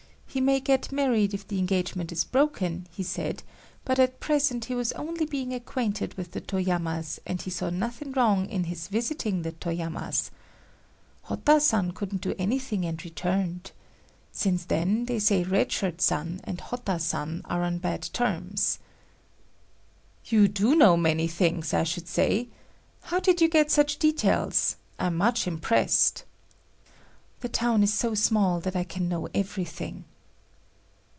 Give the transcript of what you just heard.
He may get married if the engagement is broken, he said, but at present he was only being acquainted with the Toyamas and he saw nothing wrong in his visiting the Toyamas. Hotta san couldn't do anything and returned. Since then they say Red Shirt san and Hotta san are on bad terms." "You do know many things, I should say. How did you get such details? I'm much impressed." "The town is so small that I can know everything."